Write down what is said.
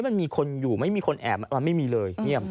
มันมีคนอยู่ไม่มีคนแอบมันไม่มีเลยเงียบ